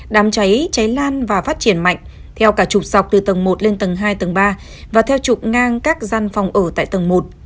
đám cháy lan và phát triển mạnh theo cả chục dọc từ tầng một lên tầng hai tầng ba và theo trục ngang các gian phòng ở tại tầng một